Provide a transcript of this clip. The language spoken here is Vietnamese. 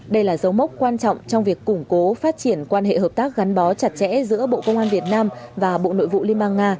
đây là dấu mốc quan trọng trong việc củng cố phát triển quan hệ hợp tác gắn bó chặt chẽ giữa bộ công an việt nam và bộ nội vụ liên bang nga